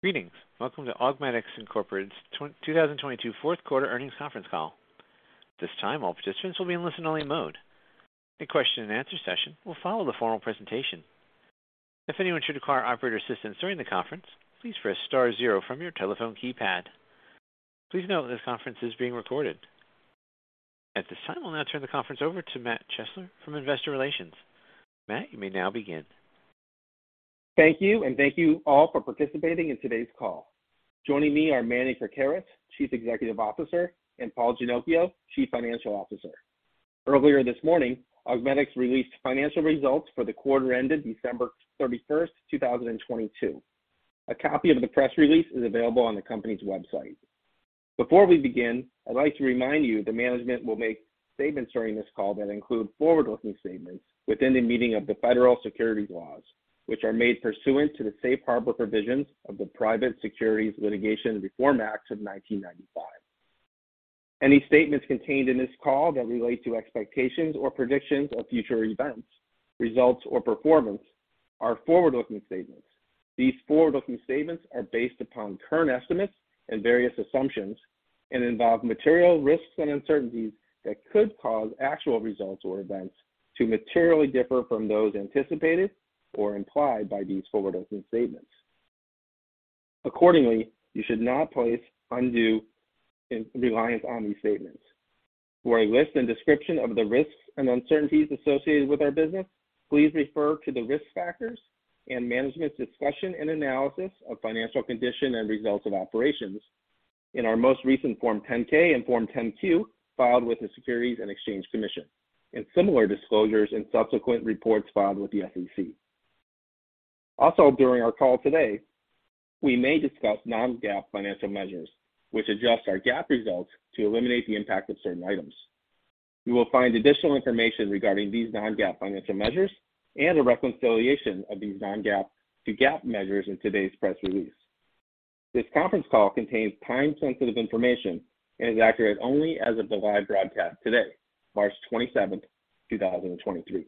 Greetings. Welcome to Augmedix, Inc.'s 2022 fourth quarter earnings conference call. At this time, all participants will be in listen-only mode. A question and answer session will follow the formal presentation. If anyone should require operator assistance during the conference, please press star zero from your telephone keypad. Please note this conference is being recorded. At this time, I'll now turn the conference over to Matt Chesler from Investor Relations. Matt, you may now begin. Thank you, and thank you all for participating in today's call. Joining me are Manny Krakaris, Chief Executive Officer, and Paul Ginocchio, Chief Financial Officer. Earlier this morning, Augmedix released financial results for the quarter ended December 31, 2022. A copy of the press release is available on the company's website. Before we begin, I'd like to remind you that management will make statements during this call that include forward-looking statements within the meaning of the federal securities laws, which are made pursuant to the safe harbor provisions of the Private Securities Litigation Reform Act of 1995. Any statements contained in this call that relate to expectations or predictions of future events, results, or performance are forward-looking statements. These forward-looking statements are based upon current estimates and various assumptions and involve material risks and uncertainties that could cause actual results or events to materially differ from those anticipated or implied by these forward-looking statements. Accordingly, you should not place undue reliance on these statements. For a list and description of the risks and uncertainties associated with our business, please refer to the risk factors and management discussion and analysis of financial condition and results of operations in our most recent Form 10-K and Form 10-Q filed with the Securities and Exchange Commission, and similar disclosures in subsequent reports filed with the SEC. During our call today, we may discuss non-GAAP financial measures, which adjust our GAAP results to eliminate the impact of certain items. You will find additional information regarding these non-GAAP financial measures and a reconciliation of these non-GAAP to GAAP measures in today's press release. This conference call contains time-sensitive information and is accurate only as of the live broadcast today, March 27th, 2023.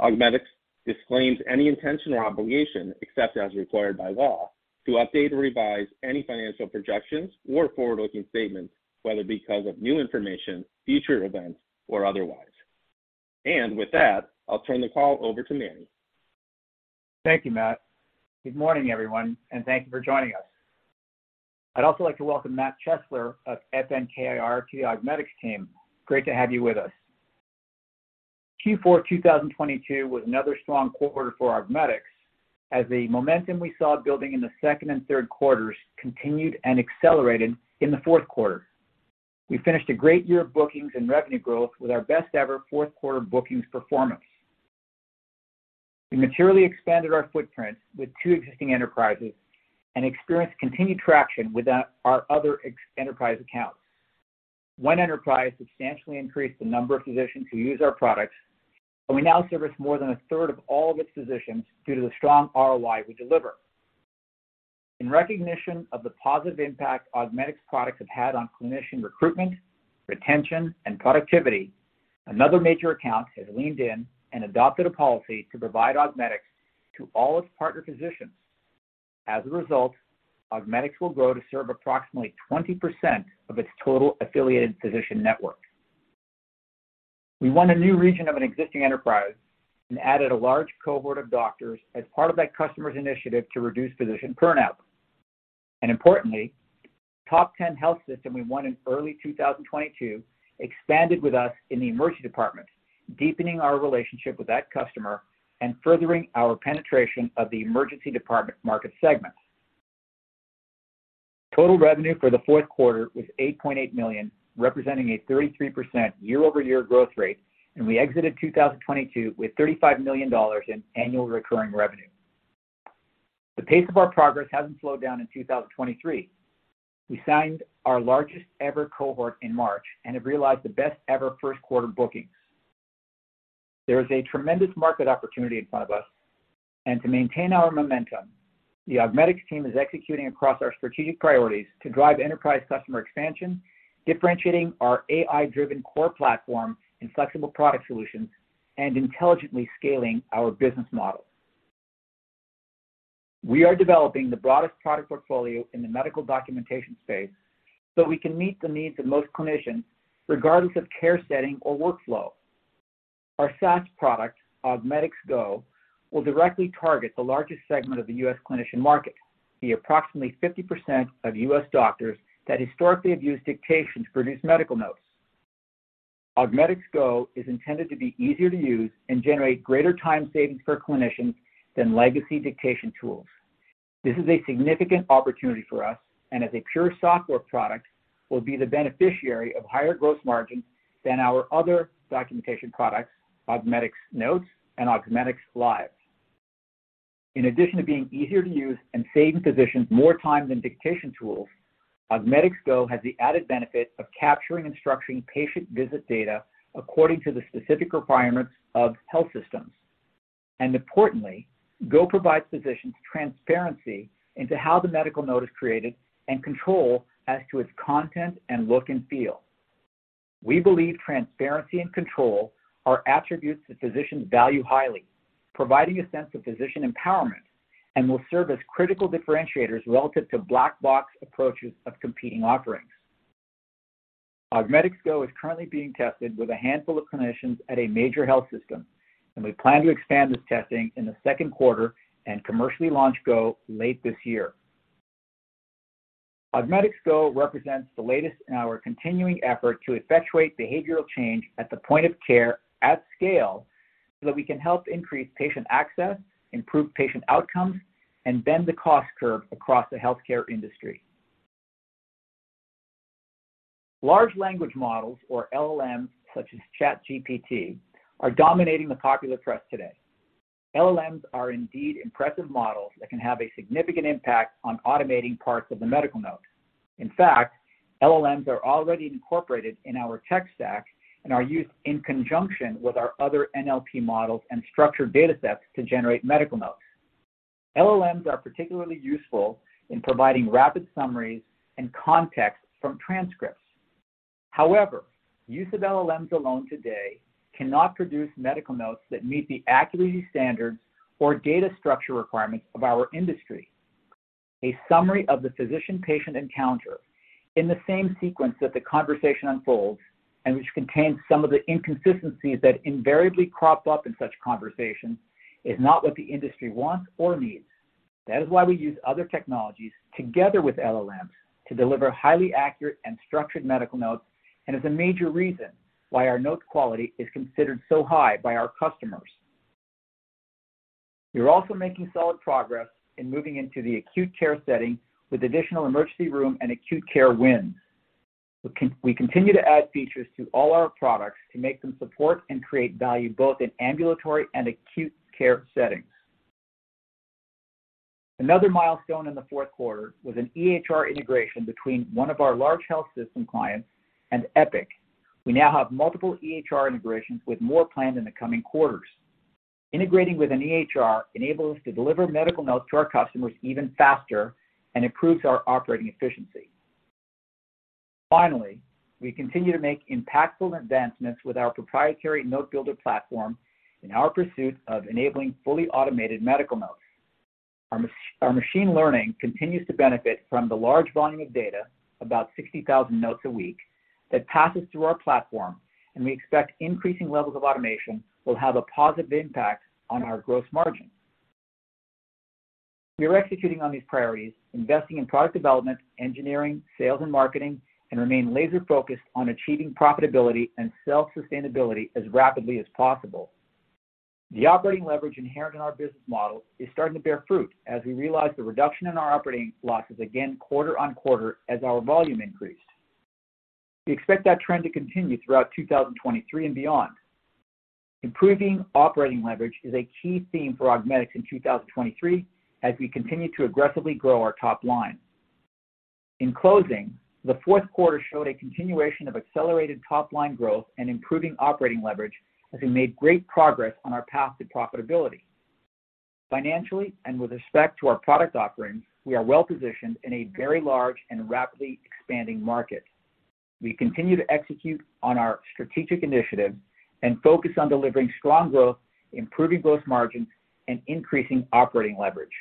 Augmedix disclaims any intention or obligation, except as required by law, to update or revise any financial projections or forward-looking statements, whether because of new information, future events, or otherwise. With that, I'll turn the call over to Manny. Thank you, Matt. Good morning, everyone, thank you for joining us. I'd also like to welcome Matt Chesler of FNK IR to the Augmedix team. Great to have you with us. Q4 2022 was another strong quarter for Augmedix as the momentum we saw building in the second and third quarters continued and accelerated in the fourth quarter. We finished a great year of bookings and revenue growth with our best ever fourth quarter bookings performance. We materially expanded our footprint with two existing enterprises and experienced continued traction with our other enterprise accounts. One enterprise substantially increased the number of physicians who use our products, and we now service more than a third of all of its physicians due to the strong ROI we deliver. In recognition of the positive impact Augmedix products have had on clinician recruitment, retention, and productivity, another major account has leaned in and adopted a policy to provide Augmedix to all its partner physicians. As a result, Augmedix will grow to serve approximately 20% of its total affiliated physician network. We won a new region of an existing enterprise and added a large cohort of doctors as part of that customer's initiative to reduce physician burnout. Importantly, the top 10 health system we won in early 2022 expanded with us in the emergency department, deepening our relationship with that customer and furthering our penetration of the emergency department market segment. Total revenue for the fourth quarter was $8.8 million, representing a 33% year-over-year growth rate, and we exited 2022 with $35 million in annual recurring revenue. The pace of our progress hasn't slowed down in 2023. We signed our largest-ever cohort in March and have realized the best ever first quarter bookings. There is a tremendous market opportunity in front of us, and to maintain our momentum, the Augmedix team is executing across our strategic priorities to drive enterprise customer expansion, differentiating our AI-driven core platform and flexible product solutions, and intelligently scaling our business model. We are developing the broadest product portfolio in the medical documentation space so we can meet the needs of most clinicians, regardless of care setting or workflow. Our SaaS product, Augmedix Go, will directly target the largest segment of the U.S. clinician market, the approximately 50% of U.S. doctors that historically have used dictation to produce medical notes. Augmedix Go is intended to be easier to use and generate greater time savings for clinicians than legacy dictation tools. This is a significant opportunity for us and as a pure software product, will be the beneficiary of higher gross margins than our other documentation products, Augmedix Notes and Augmedix Live. In addition to being easier to use and saving physicians more time than dictation tools, Augmedix Go has the added benefit of capturing and structuring patient visit data according to the specific requirements of health systems. Importantly, Go provides physicians transparency into how the medical note is created and control as to its content and look and feel. We believe transparency and control are attributes that physicians value highly, providing a sense of physician empowerment, and will serve as critical differentiators relative to black box approaches of competing offerings. Augmedix Go is currently being tested with a handful of clinicians at a major health system, and we plan to expand this testing in the second quarter and commercially launch Go late this year. Augmedix Go represents the latest in our continuing effort to effectuate behavioral change at the point of care at scale, so that we can help increase patient access, improve patient outcomes, and bend the cost curve across the healthcare industry. Large Language Models, or LLMs, such as ChatGPT, are dominating the popular press today. LLMs are indeed impressive models that can have a significant impact on automating parts of the medical note. In fact, LLMs are already incorporated in our tech stack and are used in conjunction with our other NLP models and structured datasets to generate medical notes. LLMs are particularly useful in providing rapid summaries and context from transcripts. However, use of LLMs alone today cannot produce medical notes that meet the accuracy standards or data structure requirements of our industry. A summary of the physician-patient encounter in the same sequence that the conversation unfolds, and which contains some of the inconsistencies that invariably crop up in such conversations, is not what the industry wants or needs. That is why we use other technologies together with LLMs to deliver highly accurate and structured medical notes, and is a major reason why our note quality is considered so high by our customers. We are also making solid progress in moving into the acute care setting with additional emergency room and acute care wins. We continue to add features to all our products to make them support and create value both in ambulatory and acute care settings. Another milestone in the 4th quarter was an EHR integration between one of our large health system clients and Epic. We now have multiple EHR integrations with more planned in the coming quarters. Integrating with an EHR enables us to deliver medical notes to our customers even faster and improves our operating efficiency. Finally, we continue to make impactful advancements with our proprietary Notebuilder platform in our pursuit of enabling fully automated medical notes. Our machine learning continues to benefit from the large volume of data, about 60,000 notes a week, that passes through our platform, and we expect increasing levels of automation will have a positive impact on our gross margin. We are executing on these priorities, investing in product development, engineering, sales, and marketing, and remain laser-focused on achieving profitability and self-sustainability as rapidly as possible. The operating leverage inherent in our business model is starting to bear fruit as we realize the reduction in our operating losses again quarter-on-quarter as our volume increased. We expect that trend to continue throughout 2023 and beyond. Improving operating leverage is a key theme for Augmedix in 2023, as we continue to aggressively grow our top line. In closing, the fourth quarter showed a continuation of accelerated top-line growth and improving operating leverage as we made great progress on our path to profitability. Financially and with respect to our product offerings, we are well-positioned in a very large and rapidly expanding market. We continue to execute on our strategic initiatives and focus on delivering strong growth, improving gross margin, and increasing operating leverage.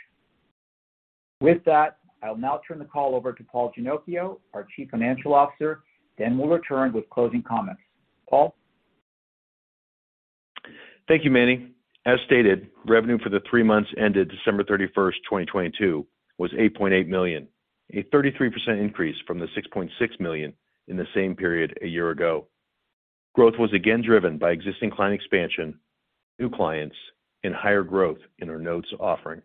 With that, I'll now turn the call over to Paul Ginocchio, our Chief Financial Officer, then we'll return with closing comments. Paul? Thank you, Manny. As stated, revenue for the three months ended December 31st, 2022, was $8.8 million, a 33% increase from the $6.6 million in the same period a year ago. Growth was again driven by existing client expansion, new clients, and higher growth in our Notes offering.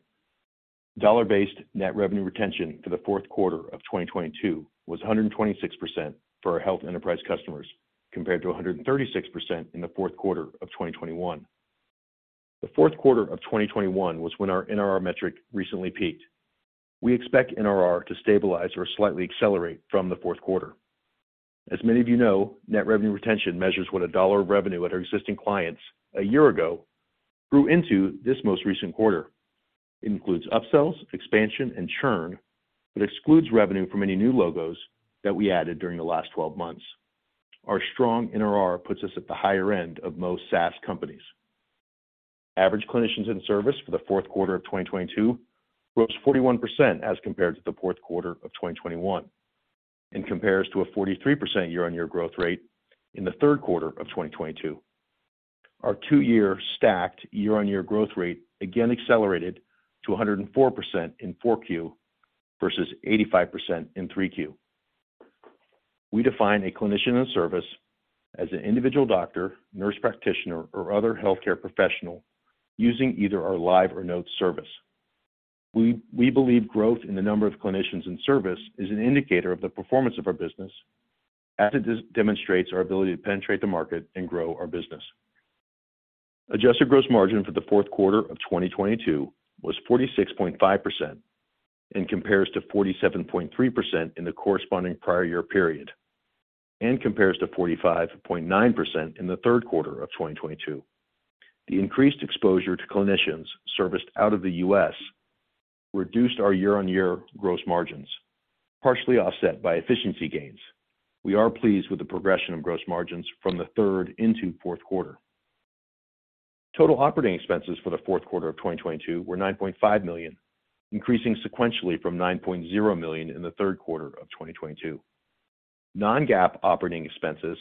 Dollar-based net revenue retention for the fourth quarter of 2022 was 126% for our health enterprise customers, compared to 136% in the fourth quarter of 2021. The fourth quarter of 2021 was when our NRR metric recently peaked. We expect NRR to stabilize or slightly accelerate from the fourth quarter. As many of you know, net revenue retention measures what a dollar of revenue at our existing clients a year ago grew into this most recent quarter. It includes upsells, expansion, and churn, but excludes revenue from any new logos that we added during the last 12 months. Our strong NRR puts us at the higher end of most SaaS companies. Average clinicians in service for the fourth quarter of 2022 grows 41% as compared to the fourth quarter of 2021 and compares to a 43% year-on-year growth rate in the third quarter of 2022. Our two-year stacked year-on-year growth rate again accelerated to 104% in 4Q versus 85% in 3Q. We define a clinician in service as an individual doctor, nurse practitioner, or other healthcare professional using either our Live or Notes service. We believe growth in the number of clinicians in service is an indicator of the performance of our business as it demonstrates our ability to penetrate the market and grow our business. Adjusted gross margin for the fourth quarter of 2022 was 46.5% and compares to 47.3% in the corresponding prior year period and compares to 45.9% in the third quarter of 2022. The increased exposure to clinicians serviced out of the U.S. reduced our year-on-year gross margins, partially offset by efficiency gains. We are pleased with the progression of gross margins from the third into fourth quarter. Total operating expenses for the fourth quarter of 2022 were $9.5 million, increasing sequentially from $9.0 million in the third quarter of 2022. Non-GAAP operating expenses,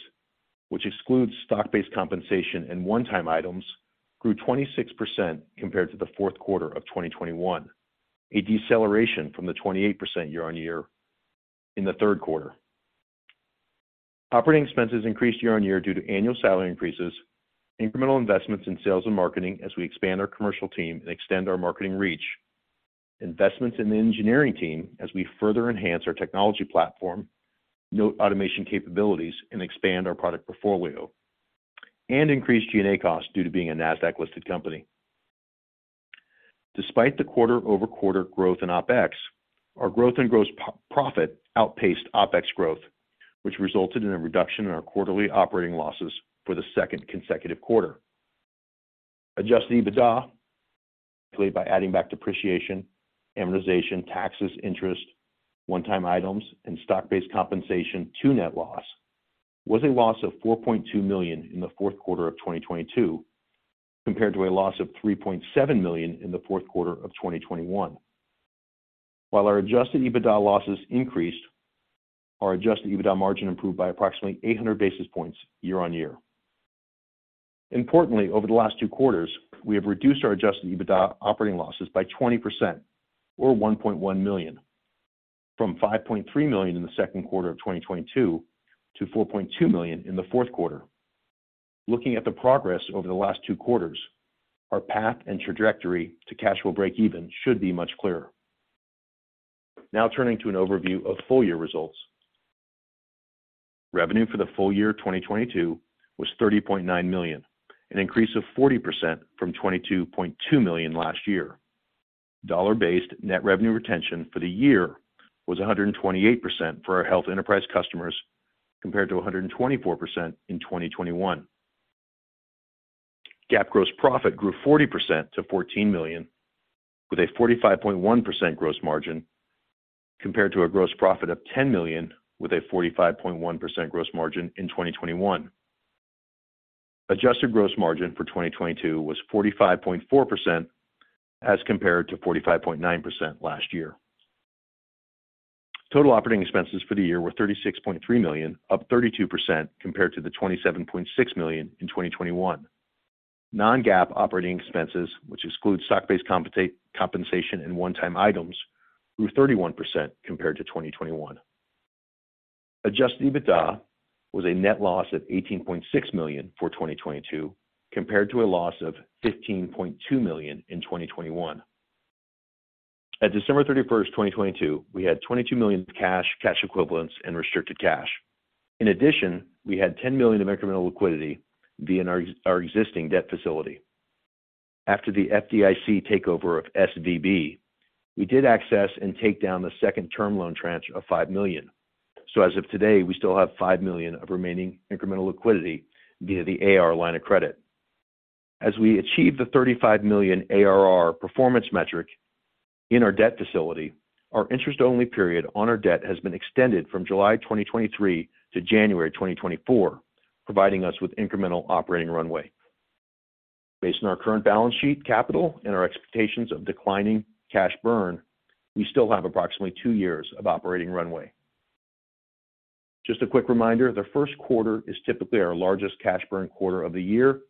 which excludes stock-based compensation and one-time items, grew 26% compared to the fourth quarter of 2021, a deceleration from the 28% year-over-year in the third quarter. Operating expenses increased year-over-year due to annual salary increases, incremental investments in sales and marketing as we expand our commercial team and extend our marketing reach, investments in the engineering team as we further enhance our technology platform, note automation capabilities, and expand our product portfolio, and increase G&A costs due to being a Nasdaq-listed company. Despite the quarter-over-quarter growth in OpEx, our growth in gross profit outpaced OpEx growth, which resulted in a reduction in our quarterly operating losses for the second consecutive quarter. Adjusted EBITDA, calculated by adding back depreciation, amortization, taxes, interest, one-time items, and stock-based compensation to net loss, was a loss of $4.2 million in the fourth quarter of 2022, compared to a loss of $3.7 million in the fourth quarter of 2021. While our adjusted EBITDA losses increased, our adjusted EBITDA margin improved by approximately 800 basis points year-on-year. Importantly, over the last two quarters, we have reduced our adjusted EBITDA operating losses by 20% or $1.1 million, from $5.3 million in the second quarter of 2022 to $4.2 million in the fourth quarter. Looking at the progress over the last two quarters, our path and trajectory to cash will break even should be much clearer. Turning to an overview of full year results. Revenue for the full-year 2022 was $30.9 million, an increase of 40% from $22.2 million last year. Dollar-based net revenue retention for the year was 128% for our health enterprise customers compared to 124% in 2021. GAAP gross profit grew 40% to $14 million with a 45.1% gross margin compared to a gross profit of $10 million with a 45.1% gross margin in 2021. Adjusted gross margin for 2022 was 45.4% as compared to 45.9% last year. Total operating expenses for the year were $36.3 million, up 32% compared to the $27.6 million in 2021. Non-GAAP operating expenses, which excludes stock-based compensation and one-time items, grew 31% compared to 2021. Adjusted EBITDA was a net loss of $18.6 million for 2022 compared to a loss of $15.2 million in 2021. At December 31st, 2022, we had $22 million cash equivalents and restricted cash. We had $10 million of incremental liquidity via our existing debt facility. After the FDIC takeover of SVB, we did access and take down the second term loan tranche of $5 million. As of today, we still have $5 million of remaining incremental liquidity via the AR line of credit. As we achieve the $35 million ARR performance metric in our debt facility, our interest-only period on our debt has been extended from July 2023 to January 2024, providing us with incremental operating runway. Based on our current balance sheet capital and our expectations of declining cash burn, we still have approximately 2 years of operating runway. Just a quick reminder, the first quarter is typically our largest cash burn quarter of the year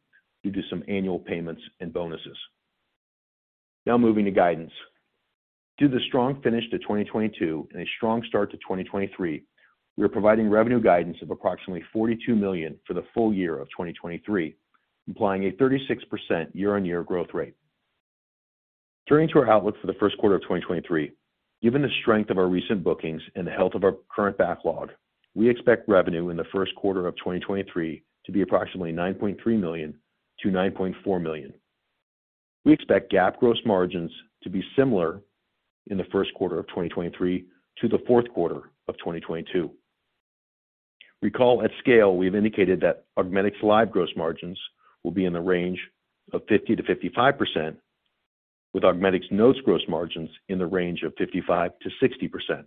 due to some annual payments and bonuses. Now moving to guidance. Due to the strong finish to 2022 and a strong start to 2023, we are providing revenue guidance of approximately $42 million for the full year of 2023, implying a 36% year-on-year growth rate. Turning to our outlook for the first quarter of 2023. Given the strength of our recent bookings and the health of our current backlog, we expect revenue in the first quarter of 2023 to be approximately $9.3 million-$9.4 million. We expect GAAP gross margins to be similar in the first quarter of 2023 to the fourth quarter of 2022. Recall at scale, we've indicated that Augmedix Live gross margins will be in the range of 50%-55%, with Augmedix Notes gross margins in the range of 55%-60%.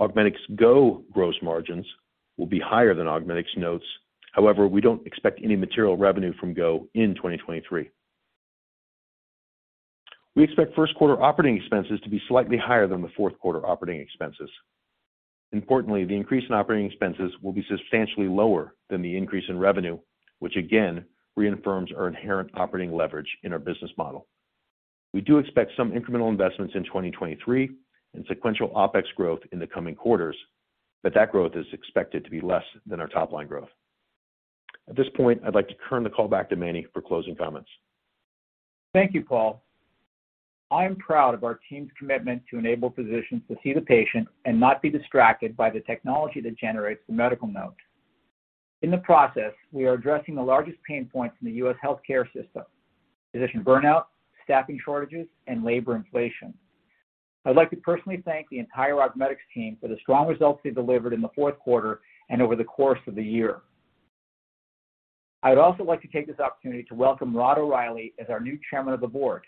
Augmedix Go gross margins will be higher than Augmedix Notes. We don't expect any material revenue from Go in 2023. We expect first quarter operating expenses to be slightly higher than the fourth quarter operating expenses. Importantly, the increase in operating expenses will be substantially lower than the increase in revenue, which again reaffirms our inherent operating leverage in our business model. We do expect some incremental investments in 2023 and sequential OpEx growth in the coming quarters, that growth is expected to be less than our top-line growth. At this point, I'd like to turn the call back to Manny for closing comments. Thank you, Paul. I am proud of our team's commitment to enable physicians to see the patient and not be distracted by the technology that generates the medical note. In the process, we are addressing the largest pain points in the U.S. healthcare system: physician burnout, staffing shortages, and labor inflation. I'd like to personally thank the entire Augmedix team for the strong results they delivered in the fourth quarter and over the course of the year. I'd also like to take this opportunity to welcome Rod O'Reilly as our new Chairman of the Board.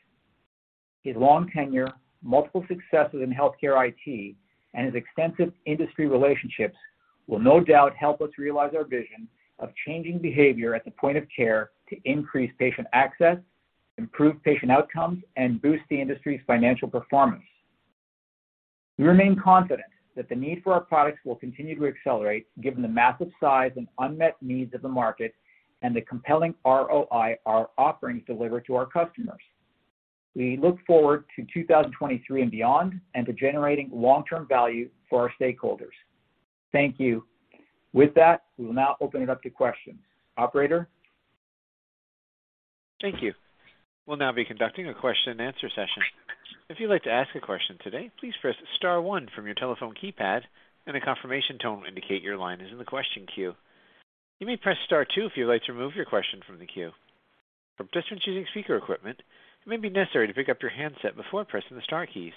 His long tenure, multiple successes in healthcare IT, and his extensive industry relationships will no doubt help us realize our vision of changing behavior at the point of care to increase patient access, improve patient outcomes, and boost the industry's financial performance. We remain confident that the need for our products will continue to accelerate given the massive size and unmet needs of the market and the compelling ROI our offerings deliver to our customers. We look forward to 2023 and beyond, and to generating long-term value for our stakeholders. Thank you. With that, we will now open it up to questions. Operator? Thank you. We'll now be conducting a question and answer session. If you'd like to ask a question today, please press star one from your telephone keypad, and a confirmation tone will indicate your line is in the question queue. You may press star two if you'd like to remove your question from the queue. For participants using speaker equipment, it may be necessary to pick up your handset before pressing the star keys.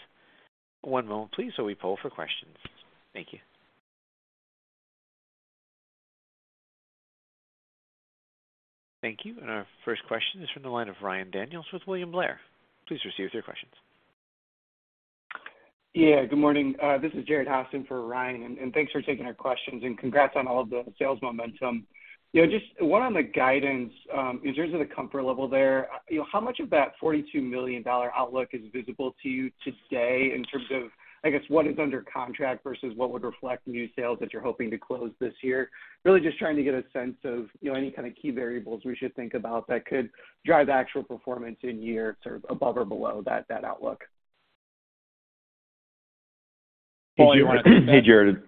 One moment please while we poll for questions. Thank you. Thank you. Our first question is from the line of Ryan Daniels with William Blair. Please proceed with your questions. Good morning. This is Jared Haase in for Ryan, and thanks for taking our questions and congrats on all of the sales momentum. You know, just one on the guidance, in terms of the comfort level there, you know, how much of that $42 million outlook is visible to you today in terms of, I guess, what is under contract versus what would reflect new sales that you're hoping to close this year? Really just trying to get a sense of, you know, any kind of key variables we should think about that could drive actual performance in year sort of above or below that outlook. Paul, you want to take that? Hey, Jared.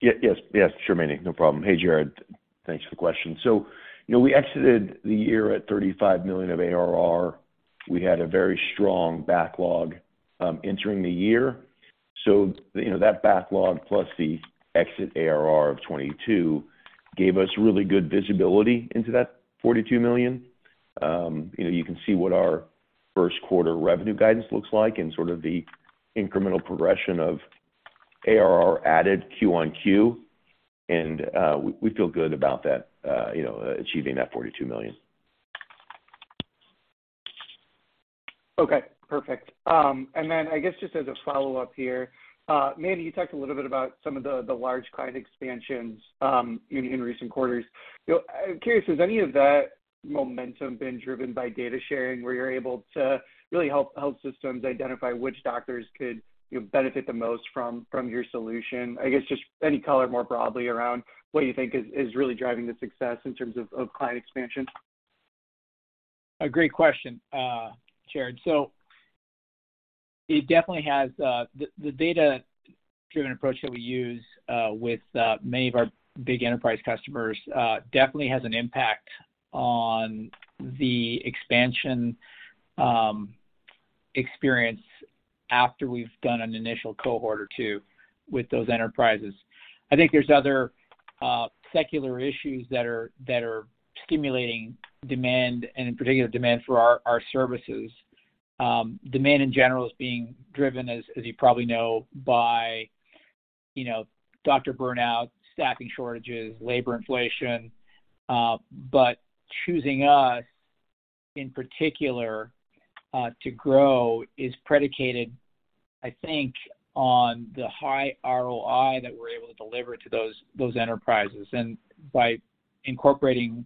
Yes. Yes, sure, Manny. No problem. Hey, Jared. Thanks for the question. You know, we exited the year at $35 million of ARR. We had a very strong backlog entering the year. You know, that backlog plus the exit ARR of $22 million gave us really good visibility into that $42 million. You know, you can see what our first quarter revenue guidance looks like and sort of the incremental progression of ARR added Q on Q. We feel good about that, you know, achieving that $42 million. Okay, perfect. I guess just as a follow-up here, Manny, you talked a little bit about some of the large client expansions in recent quarters. You know, I'm curious, has any of that momentum been driven by data sharing where you're able to really help health systems identify which doctors could, you know, benefit the most from your solution? I guess just any color more broadly around what you think is really driving the success in terms of client expansion. A great question, Jared. It definitely has the data-driven approach that we use with many of our big enterprise customers, definitely has an impact on the expansion experience after we've done an initial cohort or two with those enterprises. I think there's other secular issues that are stimulating demand, and in particular demand for our services. Demand in general is being driven, as you probably know, by, you know, doctor burnout, staffing shortages, labor inflation. Choosing us in particular to grow is predicated, I think, on the high ROI that we're able to deliver to those enterprises. By incorporating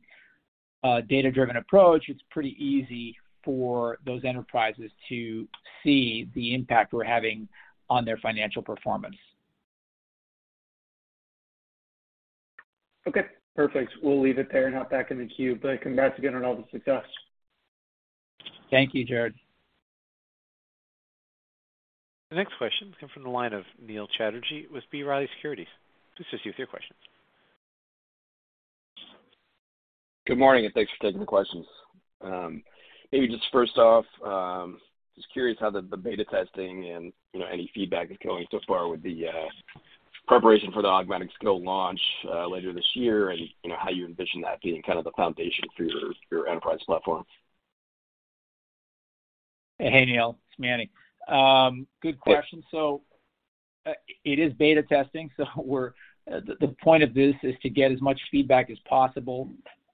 a data-driven approach, it's pretty easy for those enterprises to see the impact we're having on their financial performance. Okay, perfect. We'll leave it there and hop back in the queue, but congrats again on all the success. Thank you, Jared. The next question comes from the line of Neil Chatterji with B. Riley Securities. Please assist you with your question. Good morning. Thanks for taking the questions. Maybe just first off, just curious how the beta testing and, you know, any feedback is going so far with the preparation for the Augmedix Go launch later this year, and you know, how you envision that being kind of the foundation for your enterprise platform. Hey, Neil, it's Manny. Good question. It is beta testing, so the point of this is to get as much feedback as possible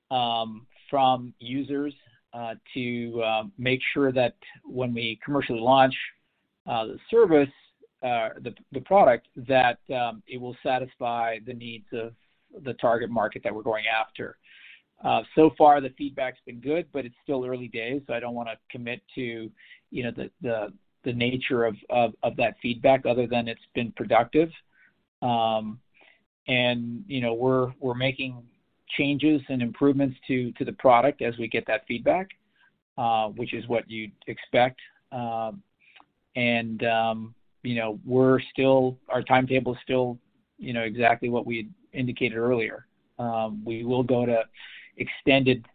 from users to make sure that when we commercially launch the service, the product, it will satisfy the needs of the target market that we're going after. So far the feedback's been good, but it's still early days, so I don't wanna commit to, you know, the nature of that feedback other than it's been productive. You know, we're making changes and improvements to the product as we get that feedback, which is what you'd expect. You know, Our timetable is still, you know, exactly what we had indicated earlier. We will go to extended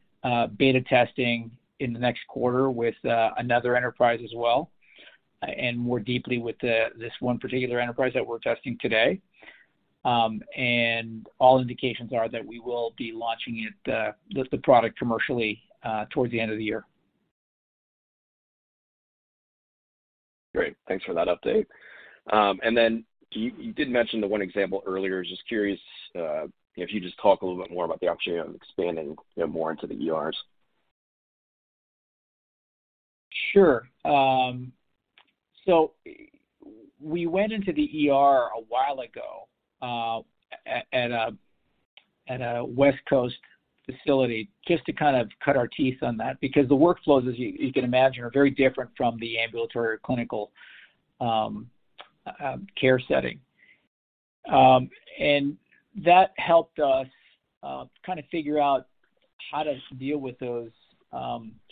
beta testing in the next quarter with another enterprise as well, and more deeply with this one particular enterprise that we're testing today. All indications are that we will be launching it the product commercially towards the end of the year. Great. Thanks for that update. You did mention the one example earlier. Just curious, if you just talk a little bit more about the opportunity of expanding, you know, more into the ERs. Sure. We went into the ER a while ago, at a West Coast facility just to kind of cut our teeth on that because the workflows, as you can imagine, are very different from the ambulatory clinical care setting. That helped us kind of figure out how to deal with those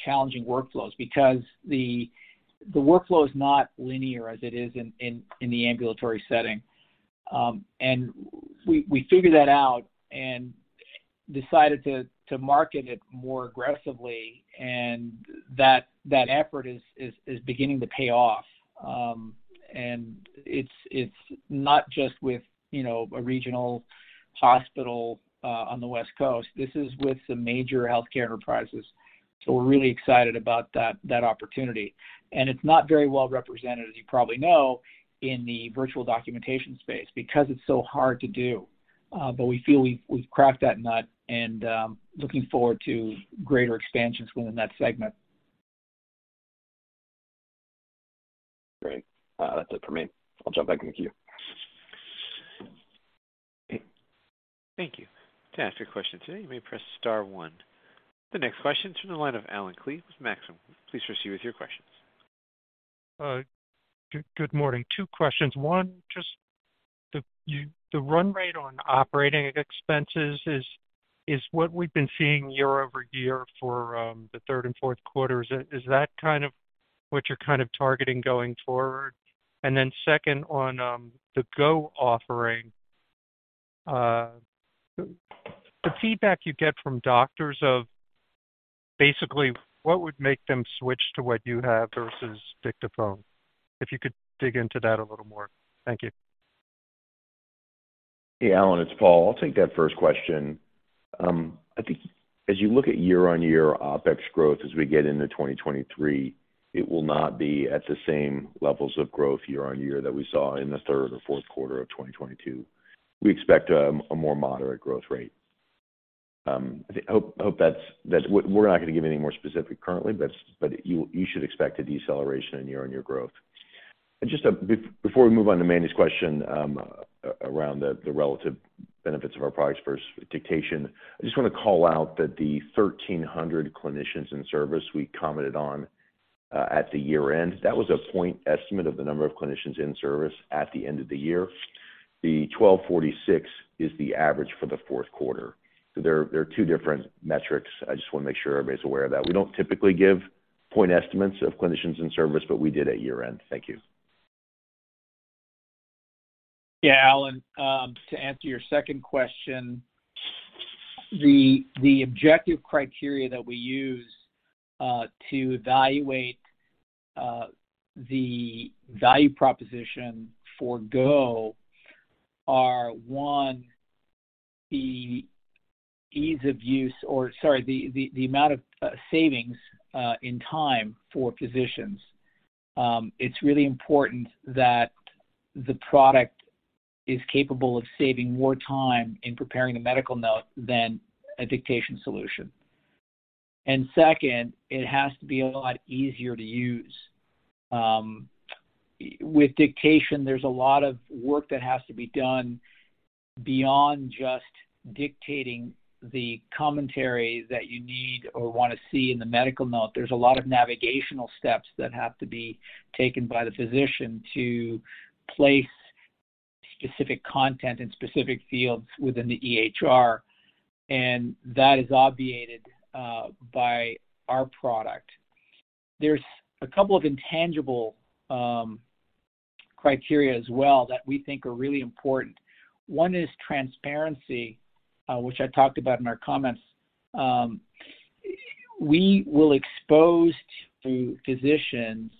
challenging workflows because the workflow is not linear as it is in the ambulatory setting. We figured that out and decided to market it more aggressively. That effort is beginning to pay off. It's not just with, you know, a regional hospital on the West Coast. This is with some major healthcare enterprises. We're really excited about that opportunity. It's not very well-represented, as you probably know, in the virtual documentation space because it's so hard to do. We feel we've cracked that nut and, looking forward to greater expansions within that segment. Great. That's it for me. I'll jump back in the queue. Thank you. To ask a question today, you may press star one. The next question is from the line of Allen Klee with Maxim. Please proceed with your questions. Good morning. Two questions. One, just the run rate on operating expenses is what we've been seeing year-over-year for the third and fourth quarters. Is that kind of what you're kind of targeting going forward? Second, on the Go offering, the feedback you get from doctors of basically what would make them switch to what you have versus Dictaphone. If you could dig into that a little more. Thank you. Hey, Allen Klee, it's Paul. I'll take that first question. I think as you look at year-on-year OpEx growth as we get into 2023, it will not be at the same levels of growth year-on-year that we saw in the third or fourth quarter of 2022. We expect a more moderate growth rate. We're not gonna give any more specific currently, but you should expect a deceleration in year-on-year growth. Before we move on to Manny's question around the relative benefits of our products versus dictation, I just want to call out that the 1,300 clinicians in service we commented on at the year-end, that was a point estimate of the number of clinicians in service at the end of the year. The 1,246 is the average for the fourth quarter. They're two different metrics. I just wanna make sure everybody's aware of that. We don't typically give point estimates of clinicians in service, but we did at year-end. Thank you. Yeah, Allen, to answer your second question, the objective criteria that we use to evaluate the value proposition for Go are, one, the ease of use or-- sorry, the amount of savings in time for physicians. It's really important that the product is capable of saving more time in preparing a medical note than a dictation solution. Second, it has to be a lot easier to use. With dictation, there's a lot of work that has to be done beyond just dictating the commentary that you need or want to see in the medical note. There's a lot of navigational steps that have to be taken by the physician to place specific content in specific fields within the EHR, and that is obviated by our product. There's a couple of intangible criteria as well that we think are really important. One is transparency, which I talked about in our comments. We will expose to physicians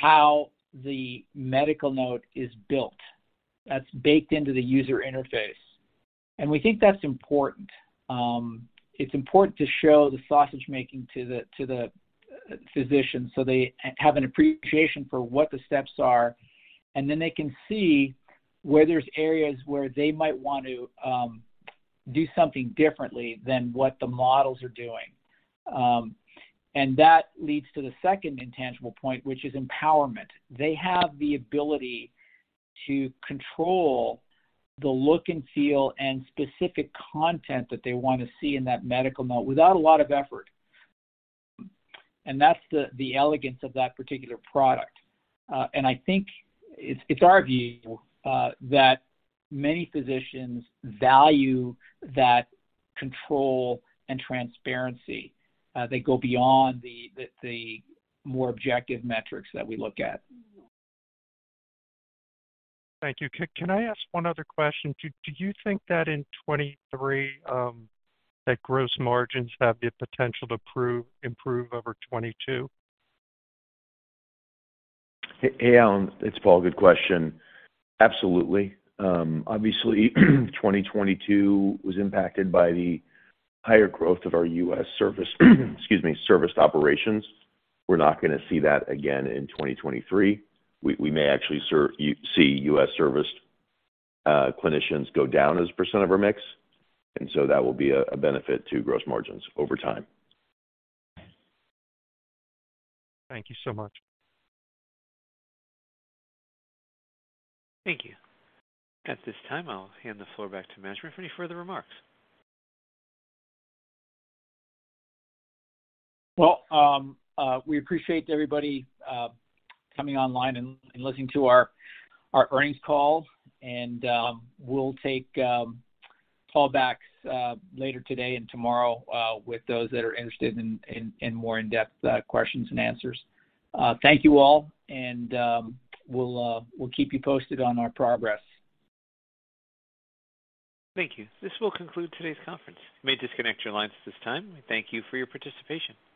how the medical note is built that's baked into the user interface, and we think that's important. It's important to show the sausage-making to the physician so they have an appreciation for what the steps are, and then they can see where there's areas where they might want to do something differently than what the models are doing. That leads to the second intangible point, which is empowerment. They have the ability to control the look and feel and specific content that they want to see in that medical note without a lot of effort. That's the elegance of that particular product. I think it's our view that many physicians value that control and transparency. They go beyond the more objective metrics that we look at. Thank you. Can I ask one other question? Do you think that in 2023 that gross margins have the potential to improve over 2022? Hey, Allen, it's Paul. Good question. Absolutely. obviously 2022 was impacted by the higher growth of our U.S. service excuse me, serviced operations. We're not gonna see that again in 2023. We may actually see U.S. serviced clinicians go down as a percent of our mix. That will be a benefit to gross margins over time. Thank you so much. Thank you. At this time, I'll hand the floor back to management for any further remarks. Well, we appreciate everybody coming online and listening to our earnings call. We'll take call backs later today and tomorrow with those that are interested in more in-depth questions and answers. Thank you all, we'll keep you posted on our progress. Thank you. This will conclude today's conference. You may disconnect your lines at this time. We thank you for your participation.